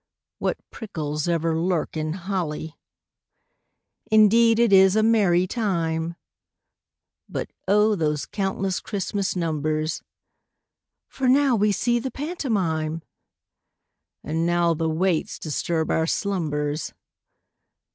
(What prickles ever lurk in holly!) Indeed it is a merry time; (But O! those countless Christmas numbers!) For now we see the pantomime, (_And now the waits disturb our slumbers.